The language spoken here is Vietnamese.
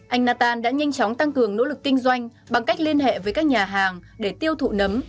anh nathan đã nhanh chóng tăng cường nỗ lực kinh doanh bằng cách liên hệ với các nhà hàng để tiêu thụ nấm